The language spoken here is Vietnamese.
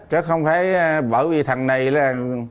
chứ không phải bởi vì thằng này là